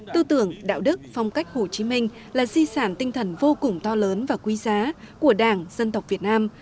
tư tưởng đạo đức phong cách hồ chí minh là di sản tinh thần vô cùng to lớn và quý giá của đảng dân tộc việt nam